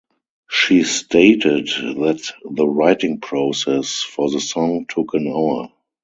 She stated that the writing process for the song took an hour.